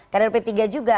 karyer p tiga juga